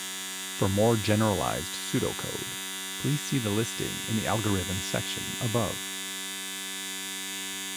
For more generalized pseudocode, please see the listing in the Algorithm section above.